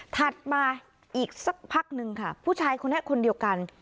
ถัดมาอีกสักพักนึงค่ะผู้ชายคนนี้คนเดียวกัน